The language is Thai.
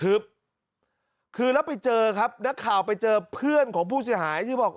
คือแล้วไปเจอครับนักข่าวไปเจอเพื่อนของผู้เสียหายที่บอก